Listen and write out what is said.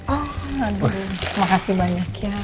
aduh terima kasih banyak ya